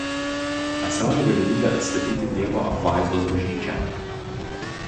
Atsirado galimybė atstatyti Dievo Apvaizdos bažnyčią.